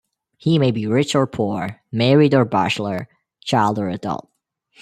He may be rich or poor, married or bachelor, child or adult.